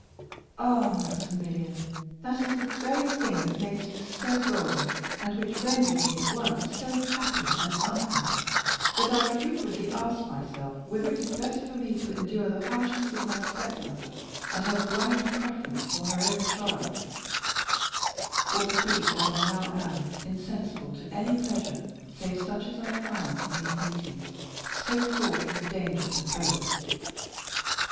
"Ah, Maximilian, that is the very thing that makes you so bold, and which renders me at once so happy and unhappy, that I frequently ask myself whether it is better for me to endure the harshness of my stepmother, and her blind preference for her own child, or to be, as I now am, insensible to any pleasure save such as I find in these meetings, so fraught with danger to both."